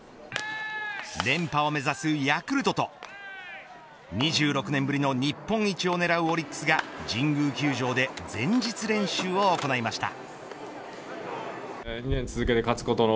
連覇を目指すヤクルトと２６年ぶりの日本一を狙うオリックスが神宮球場で前日練習を行いました。